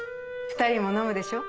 ２人も飲むでしょ？